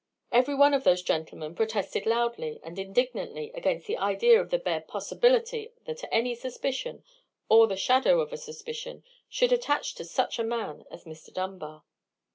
Every one of those gentlemen protested loudly and indignantly against the idea of the bare possibility that any suspicion, or the shadow of a suspicion, could attach to such a man as Mr. Dunbar.